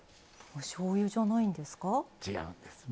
おしょうゆじゃないんですか？